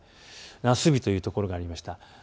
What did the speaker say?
夏日というところがありました。